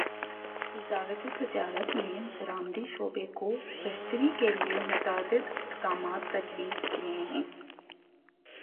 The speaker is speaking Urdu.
وزارت تجارت نے برآمدی شعبے کو بہتری کیلیے متعدد اقدامات تجویز کیے ہیں